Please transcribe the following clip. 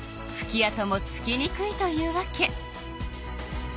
あともつきにくいというわけ。